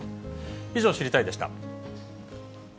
以上、知りたいッ！でした。